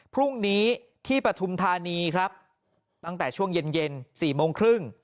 พรุ่งนี้ที่ปฐุมธานีครับตั้งแต่ช่วงเย็นเย็นสี่โมงครึ่ง